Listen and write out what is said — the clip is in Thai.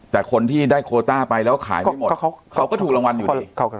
แต่คนที่ได้โคต้าไปแล้วขายไม่หมดเขาก็ถูกรางวัลอยู่ที่